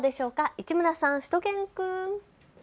市村さん、しゅと犬くん。